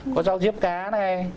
có rau riếp cá này